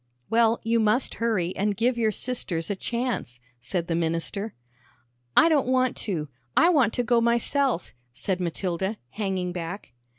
"Well, you must hurry, and give your sisters a chance," said the minister. "I don't want to; I want to go myself," said Matilda, hanging back.